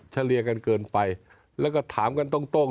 เฉลี่ยกันเกินไปถามกันตรง